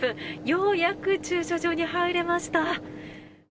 ようやく駐車場に入れました。